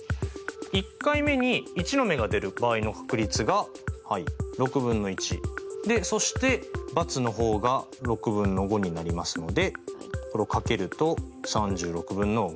１回目に１の目が出る場合の確率がはい６分の１。でそして×の方が６分の５になりますのでこれを掛けると３６分の５になる。